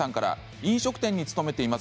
飲食店に勤めています。